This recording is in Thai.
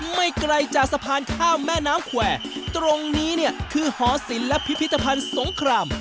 ไม่ไกลจากสะพานข้ามแม่น้ำแขวตรงนี้เนี่ยคือหอศิลป์และพิพิธภัณฑ์สงคราม